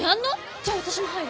じゃあ私も入る！